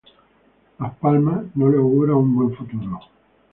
Las Palmas, no le augura un buen futuro.